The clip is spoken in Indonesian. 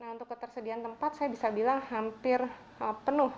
nah untuk ketersediaan tempat saya bisa bilang hampir penuh